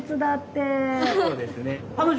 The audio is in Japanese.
そうですね。